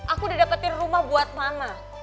aku udah dapetin rumah buat mama